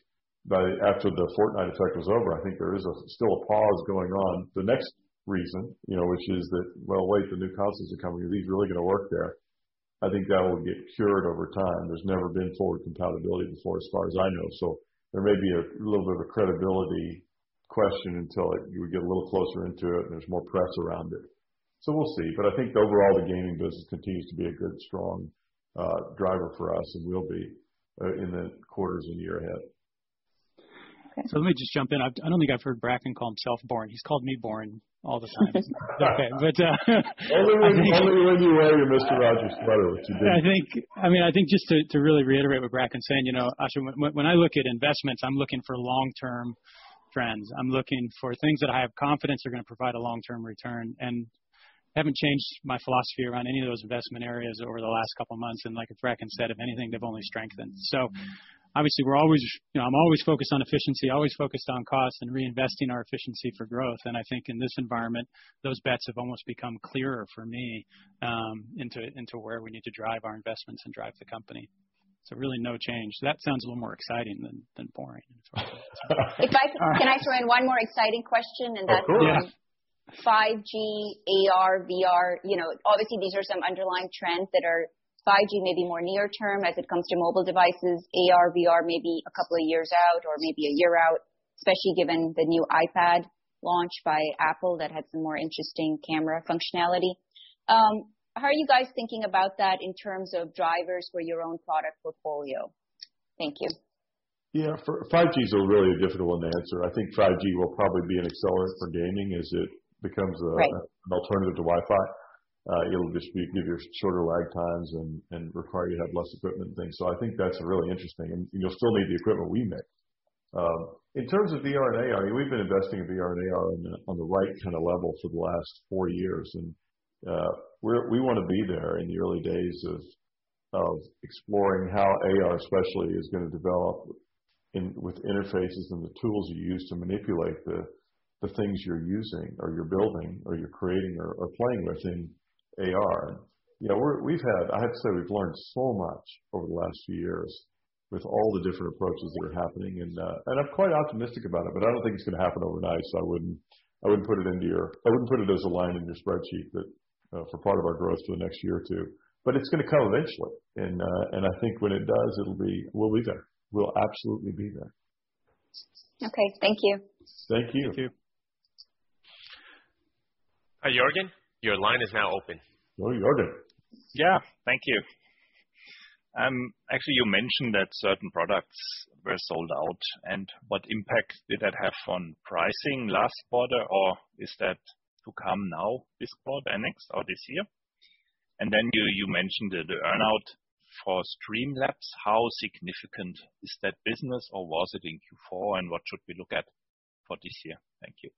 After the Fortnite effect was over, I think there is still a pause going on. The next reason, which is that, well, wait, the new consoles are coming. Are these really going to work there? I think that will get cured over time. There's never been forward compatibility before, as far as I know. There may be a little bit of a credibility question until you would get a little closer into it and there's more press around it. We'll see. I think overall, the gaming business continues to be a good, strong driver for us and will be in the quarters and year ahead. Let me just jump in. I don't think I've heard Bracken call himself boring. He's called me boring all the time. Only when you wear your Mr. Rogers sweater, which you didn't. I think just to really reiterate what Bracken's saying, Asiya, when I look at investments, I'm looking for long-term trends. I'm looking for things that I have confidence are going to provide a long-term return. I haven't changed my philosophy around any of those investment areas over the last couple of months. Like Bracken said, if anything, they've only strengthened. Obviously I'm always focused on efficiency, always focused on cost and reinvesting our efficiency for growth. I think in this environment, those bets have almost become clearer for me into where we need to drive our investments and drive the company. Really no change. That sounds a little more exciting than boring. Can I throw in one more exciting question? Of course. 5G, AR, VR. Obviously these are some underlying trends that are 5G, maybe more near term as it comes to mobile devices. AR, VR may be a couple of years out or maybe a year out, especially given the new iPad launch by Apple that had some more interesting camera functionality. How are you guys thinking about that in terms of drivers for your own product portfolio? Thank you. Yeah. 5G's a really difficult one to answer. I think 5G will probably be an accelerant for gaming as it becomes an alternative to Wi-Fi. It'll just give you shorter lag times and require you to have less equipment and things. I think that's really interesting, and you'll still need the equipment we make. In terms of VR and AR, we've been investing in VR and AR on the right kind of level for the last four years. We want to be there in the early days of exploring how AR especially is going to develop with interfaces and the tools you use to manipulate the things you're using or you're building or you're creating or playing with in AR. I have to say, we've learned so much over the last few years with all the different approaches that are happening, and I'm quite optimistic about it. I don't think it's going to happen overnight, so I wouldn't put it as a line in your spreadsheet for part of our growth for the next year or two. It's going to come eventually, and I think when it does, we'll be there. We'll absolutely be there. Okay. Thank you. Thank you. Thank you. Hi, Jurgen. Your line is now open. Oh, Jurgen. Yeah. Thank you. Actually, you mentioned that certain products were sold out. What impact did that have on pricing last quarter, or is that to come now this quarter next or this year? Then you mentioned the earn-out for Streamlabs. How significant is that business, or was it in Q4, and what should we look at for this year? Thank you.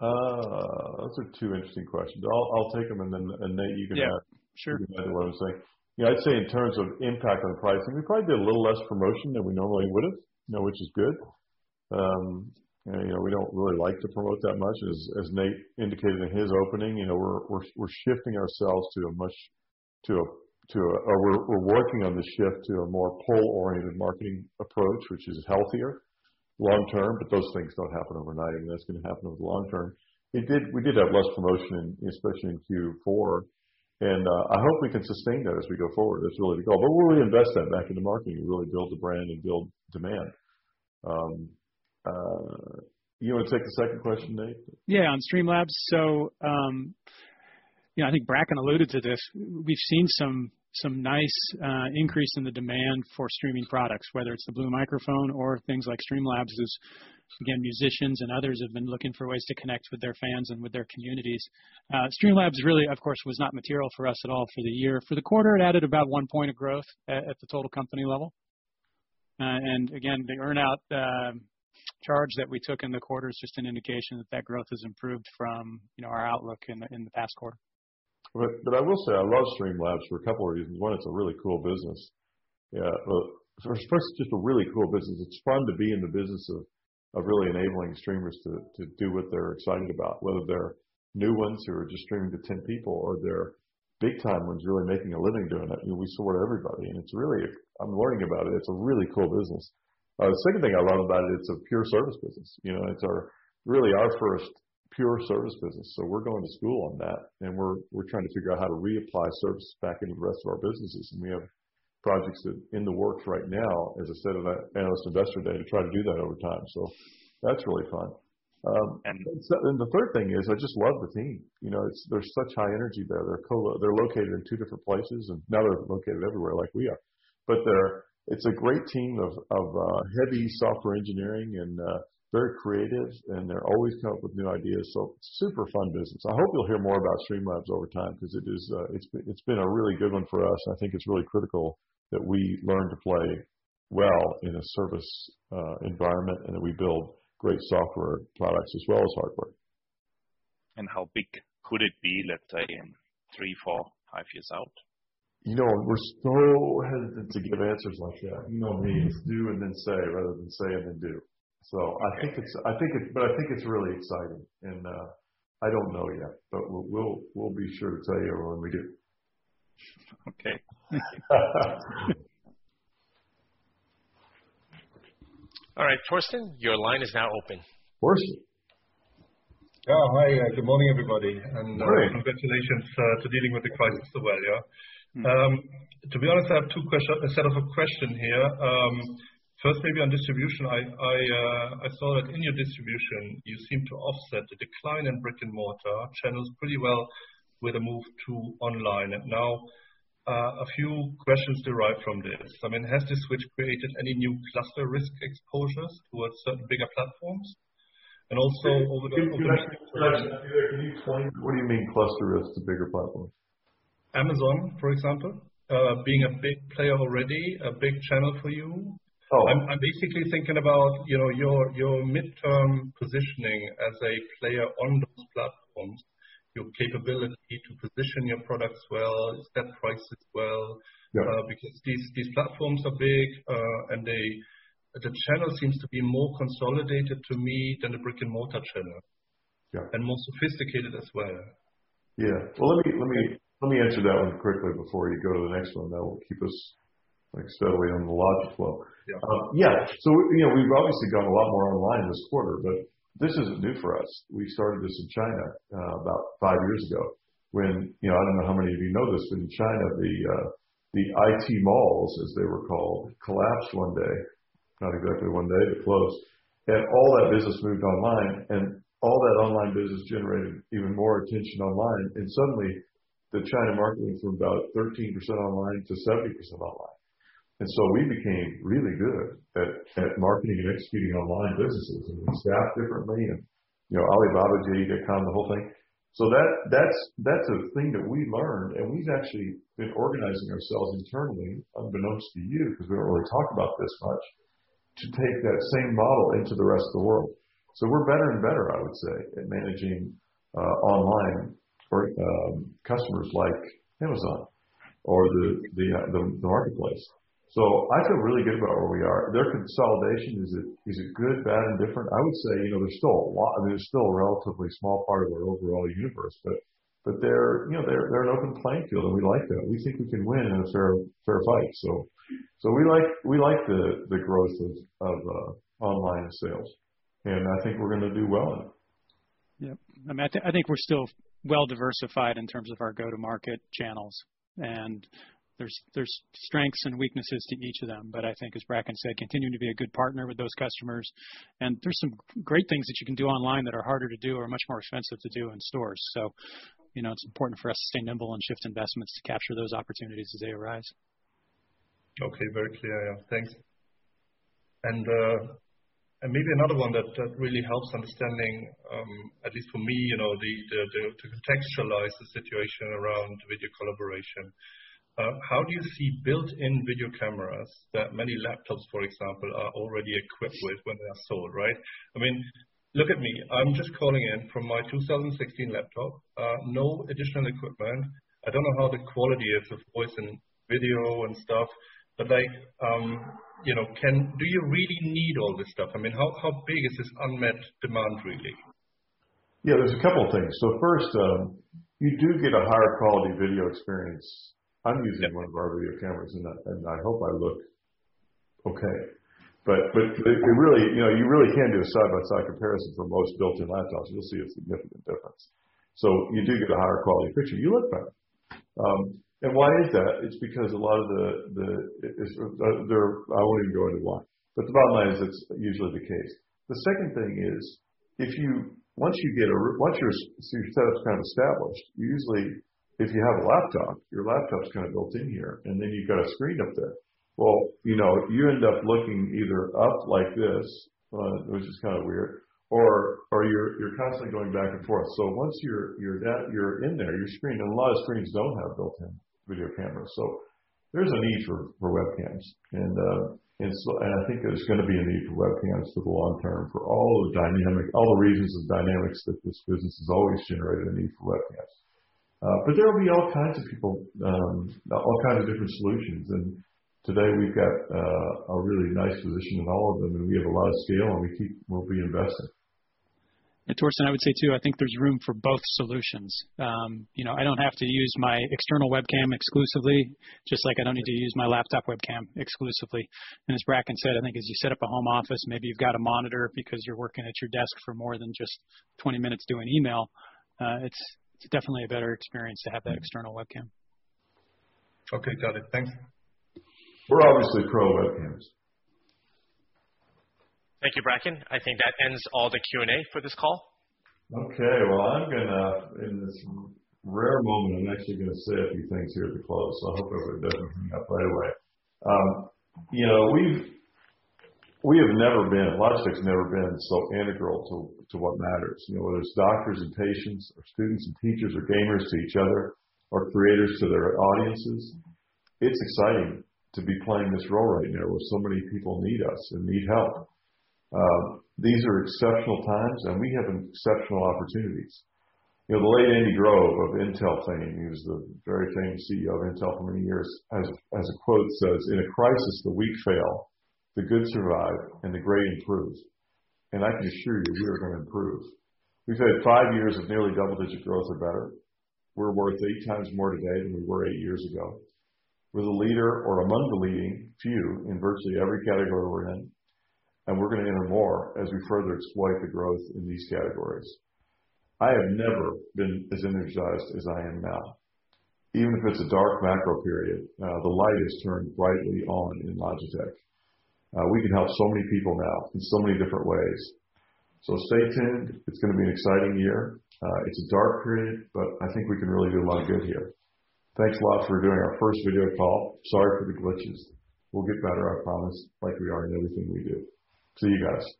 Those are two interesting questions. I'll take them and then, Nate, you can add- Yeah. Sure. to what I was saying. I'd say in terms of impact on pricing, we probably did a little less promotion than we normally would've, which is good. We don't really like to promote that much. As Nate indicated in his opening, we're working on the shift to a more pull-oriented marketing approach, which is healthier long term, but those things don't happen overnight. That's going to happen over the long term. We did have less promotion, especially in Q4, and I hope we can sustain that as we go forward. That's really the goal. We'll reinvest that back into marketing and really build the brand and build demand. You want to take the second question, Nate? Yeah, on Streamlabs. I think Bracken alluded to this. We've seen some nice increase in the demand for streaming products, whether it's the Blue microphone or things like Streamlabs, as, again, musicians and others have been looking for ways to connect with their fans and with their communities. Streamlabs really, of course, was not material for us at all for the year. For the quarter, it added about one point of growth at the total company level. Again, the earn-out charge that we took in the quarter is just an indication that growth has improved from our outlook in the past quarter. I will say, I love Streamlabs for a couple of reasons. One, it's a really cool business. Yeah. First, it's just a really cool business. It's fun to be in the business of really enabling streamers to do what they're excited about, whether they're new ones who are just streaming to 10 people or they're big-time ones really making a living doing it. We support everybody, and I'm learning about it. It's a really cool business. The second thing I love about it's a pure service business. It's really our first pure service business, so we're going to school on that, and we're trying to figure out how to reapply services back into the rest of our businesses. We have projects in the works right now, as I said at our analyst investor day, to try to do that over time. That's really fun. The third thing is, I just love the team. There's such high energy there. They're located in two different places, and now they're located everywhere like we are. It's a great team of heavy software engineering and very creative, and they're always coming up with new ideas, so super fun business. I hope you'll hear more about Streamlabs over time because it's been a really good one for us, and I think it's really critical that we learn to play well in a service environment, and that we build great software products as well as hardware. How big could it be, let's say, in three, four, five years out? We're still hesitant to give answers like that. We do and then say, rather than say and then do. I think it's really exciting, and I don't know yet, but we'll be sure to tell you when we do. Okay. All right, Torsten, your line is now open. Torsten. Yeah. Hi. Good morning, everybody. Great. Congratulations to dealing with the crisis so well, yeah. To be honest, I have two questions instead of a question here. First, maybe on distribution. I saw that in your distribution, you seem to offset the decline in brick-and-mortar channels pretty well with a move to online. Now, a few questions derived from this. Has this switch created any new cluster risk exposures towards certain bigger platforms? Can you explain? What do you mean cluster risks to bigger platforms? Amazon, for example, being a big player already, a big channel for you. Oh. I'm basically thinking about your midterm positioning as a player on those platforms, your capability to position your products well, set prices well. Yeah. These platforms are big, and the channel seems to be more consolidated to me than the brick-and-mortar channel. Yeah. More sophisticated as well. Yeah. Well, let me answer that one quickly before you go to the next one. That will keep us steadily on the logic flow. Yeah. We've obviously done a lot more online this quarter, but this isn't new for us. We started this in China about five years ago when, I don't know how many of you know this, in China, the IT malls, as they were called, collapsed one day. Not exactly one day, closed. All that business moved online, and all that online business generated even more attention online. Suddenly, the China market went from about 13% online to 70% online. We became really good at marketing and executing online businesses, and we staffed differently, and Alibaba, JD.com, the whole thing. That's a thing that we learned, and we've actually been organizing ourselves internally, unbeknownst to you, because we don't really talk about this much, to take that same model into the rest of the world. We're better and better, I would say, at managing online customers like Amazon or the marketplace. I feel really good about where we are. Their consolidation, is it good, bad, indifferent? I would say there's still a relatively small part of our overall universe, but they're an open playing field, and we like that. We think we can win in a fair fight. We like the growth of online sales, and I think we're going to do well in it. Yep. I think we're still well-diversified in terms of our go-to-market channels, and there's strengths and weaknesses to each of them. I think as Bracken said, continuing to be a good partner with those customers. There's some great things that you can do online that are harder to do or much more expensive to do in stores. It's important for us to stay nimble and shift investments to capture those opportunities as they arise. Okay. Very clear. Thanks. Maybe another one that really helps understanding, at least for me, to contextualize the situation around video collaboration. How do you see built-in video cameras that many laptops, for example, are already equipped with when they are sold, right? Look at me, I'm just calling in from my 2016 laptop. No additional equipment. I don't know how the quality is of voice and video and stuff, but do you really need all this stuff? How big is this unmet demand, really? Yeah. There's a couple of things. First, you do get a higher quality video experience. I'm using one of our video cameras, and I hope I look okay. You really can do a side-by-side comparison from most built-in laptops. You'll see a significant difference. You do get a higher quality picture. You look better. Why is that? It's because a lot of I won't even go into why. The bottom line is it's usually the case. The second thing is, once your setup's kind of established, usually if you have a laptop, your laptop's kind of built in here, and then you've got a screen up there. Well, you end up looking either up like this, which is kind of weird, or you're constantly going back and forth. Once you're in there, your screen, and a lot of screens don't have built-in video cameras. There's a need for webcams. I think there's going to be a need for webcams for the long term, for all the reasons and dynamics that this business has always generated a need for webcams. There will be all kinds of different solutions, and today we've got a really nice position in all of them, and we have a lot of scale, and we'll be investing. Torsten, I would say too, I think there's room for both solutions. I don't have to use my external webcam exclusively, just like I don't need to use my laptop webcam exclusively. As Bracken said, I think as you set up a home office, maybe you've got a monitor because you're working at your desk for more than just 20 minutes doing email. It's definitely a better experience to have that external webcam. Okay, got it. Thanks. We're obviously pro webcams. Thank you, Bracken. I think that ends all the Q&A for this call. Okay. Well, in this rare moment, I'm actually going to say a few things here at the close, so I hope everyone doesn't hang up right away. We have never been, Logitech's never been so integral to what matters. Whether it's doctors and patients or students and teachers, or gamers to each other, or creators to their audiences, it's exciting to be playing this role right now where so many people need us and need help. These are exceptional times, and we have exceptional opportunities. The late Andy Grove of Intel fame, he was the very famous CEO of Intel for many years, as a quote says, "In a crisis, the weak fail, the good survive, and the great improve." I can assure you, we are going to improve. We've had five years of nearly double-digit growth or better. We're worth eight times more today than we were eight years ago. We're the leader or among the leading few in virtually every category we're in. We're going to enter more as we further exploit the growth in these categories. I have never been as energized as I am now. Even if it's a dark macro period, the light is turned brightly on in Logitech. We can help so many people now in so many different ways. Stay tuned. It's going to be an exciting year. It's a dark period. I think we can really do a lot of good here. Thanks a lot for doing our first video call. Sorry for the glitches. We'll get better, I promise, like we are in everything we do. See you guys.